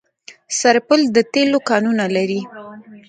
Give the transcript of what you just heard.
سرپل د تیلو کانونه لري